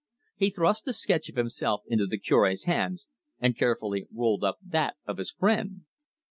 He thrust the sketch of himself into the Cure's hands, and carefully rolled up that of his friend.